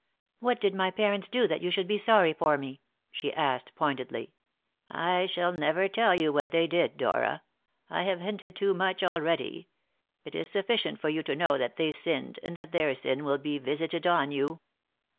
"What did my parents do that you should be sorry for me?" she asked pointedly. "I shall never tell you what they did, Dora. I have hinted too much already. It is sufficient for you to know that they sinned, and that their sin will be visited on you."